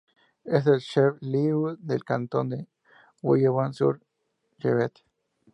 Es el "chef-lieu" del cantón de Villebon-sur-Yvette.